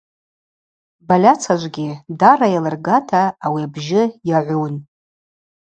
Бальацажвгьи дара йалыргата ауи абжьы йагӏун.